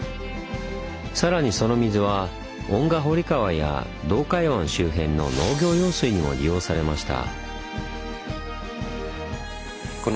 さらにその水は遠賀堀川や洞海湾周辺の農業用水にも利用されました。